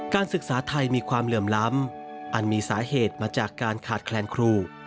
ศึกษาไทยมีความเหลื่อมล้ำอันมีสาเหตุมาจากการขาดแคลนครู